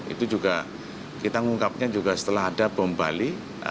itu juga kita ngungkapnya juga setelah ada bom bali